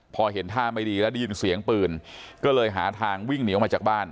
พอเห็นท่าไม่ดีแล้วได้ยินเสียงปืนก็เลยหาทางวิ่งหนีออกมาจากบ้าน